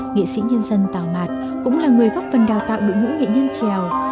nghệ sĩ nhân dân tào mạt cũng là người góp phần đào tạo đội ngũ nghệ nhân trèo